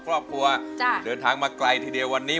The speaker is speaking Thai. เพราะว่าเดินทางมาไกลทีเดียววันนี้